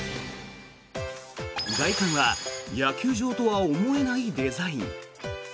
外観は野球場とは思えないデザイン。